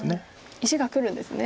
石がくるんですね。